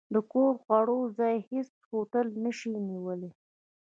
د کور د خوړو، ځای هېڅ هوټل نه شي نیولی.